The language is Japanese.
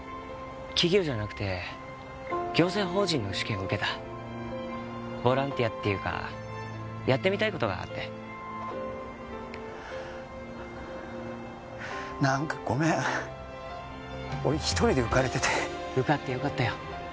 企業じゃなくて行政法人の試験受けたボランティアっていうかやってみたいことがあって何かごめん俺１人で浮かれてて受かって良かったよ